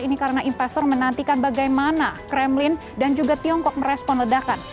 ini karena investor menantikan bagaimana kremlin dan juga tiongkok merespon ledakan